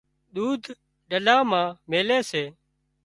ۮود ڏلا مان ميلي سي